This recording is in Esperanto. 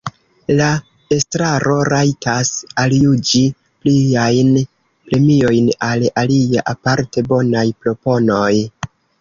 La Estraro rajtas aljuĝi pliajn premiojn al aliaj aparte bonaj proponoj.